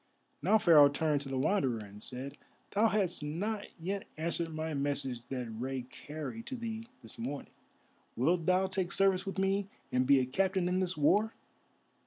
Now Pharaoh turned to the Wanderer and said: "Thou hast not yet answered my message that Rei carried to thee this morning. Wilt thou take service with me and be a captain in this war?"